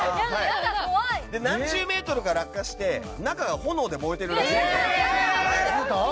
何十メートルか落下して中が炎で燃えているらしいです。